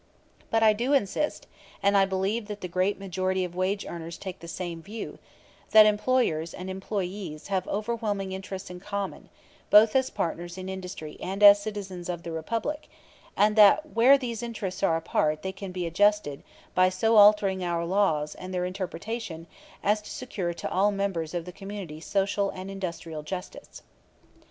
But I do insist (and I believe that the great majority of wage earners take the same view) that employers and employees have overwhelming interests in common, both as partners in industry and as citizens of the republic, and that where these interests are apart they can be adjusted by so altering our laws and their interpretation as to secure to all members of the community social and industrial justice.